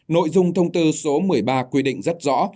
nội dung thông tư số một mươi ba quy định rất rõ